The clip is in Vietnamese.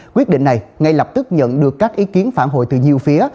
quyết định này ngay lập tức nhận được các ý kiến phản hồi từ nhiều phía